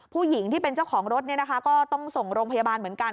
ผู้หญิงที่เป็นเจ้าของรถก็ต้องส่งโรงพยาบาลเหมือนกัน